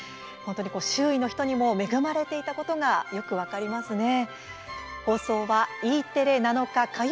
周囲の人にも恵まれていたことが分かりますね。